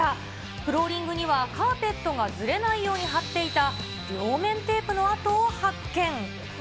フローリングにはカーペットがずれないように貼っていた両面テープの跡を発見。